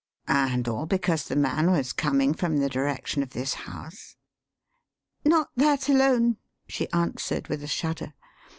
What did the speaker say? "And all because the man was coming from the direction of this house?" "Not that alone," she answered with a shudder.